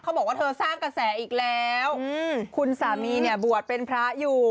บอกว่าเธอสร้างกระแสอีกแล้วคุณสามีเนี่ยบวชเป็นพระอยู่